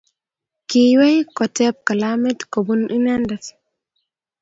Kiiywei kotep kalamit kobun inendet.